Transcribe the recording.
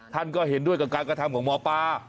ท่านก็เห็นด้วยกับการกระทำของหมอปลา